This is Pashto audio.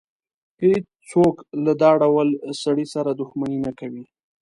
هېڅ څوک له دا ډول سړي سره دښمني نه کوي.